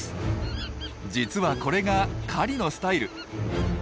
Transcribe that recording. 実はこれが狩りのスタイル。